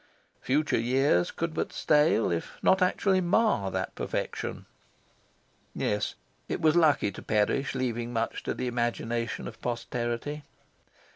Future years could but stale, if not actually mar, that perfection. Yes, it was lucky to perish leaving much to the imagination of posterity.